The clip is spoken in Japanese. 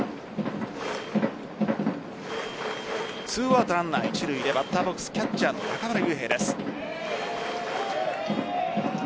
２アウトランナー一塁でバッターボックスキャッチャーの中村悠平です。